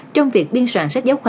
trong việc biên soạn sách giáo khoa